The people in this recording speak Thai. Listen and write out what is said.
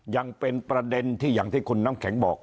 ยังเป็นประเด็นที่อย่างที่คุณน้ำแข็งบอก